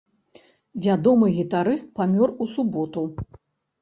Вядомы гітарыст памёр у суботу.